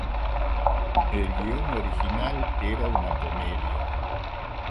El guion original era una comedia.